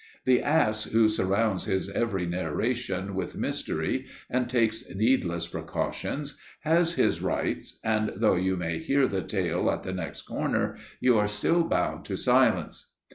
The ass who surrounds his every narration with mystery and takes needless precautions, has his rights, and though you may hear the tale at the next corner you are still bound to silence.